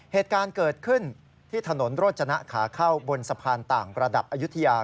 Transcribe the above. เหตุการณ์เกิดขึ้นที่ถนนโรจนะขาเข้าบนสะพานต่างระดับอายุทยา